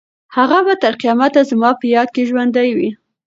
هغه به تر قیامته زما په یاد کې ژوندۍ وي.